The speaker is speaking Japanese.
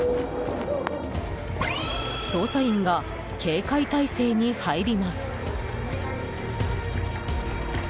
捜査員が警戒態勢に入ります。